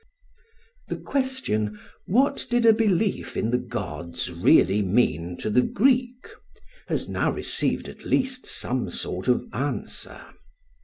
The question, "What did a belief in the gods really mean to the Greek" has now received at least some sort of answer.